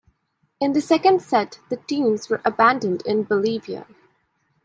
In the second set, the teams were abandoned in Bolivia.